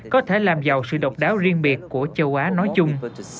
có thể làm giàu sự độc đáo riêng biệt của châu á nói chung